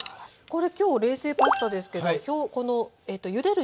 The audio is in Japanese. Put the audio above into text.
これ今日冷製パスタですけどゆでる